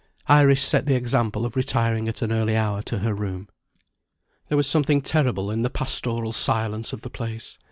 Iris set the example of retiring at an early hour to her room. There was something terrible in the pastoral silence of the place.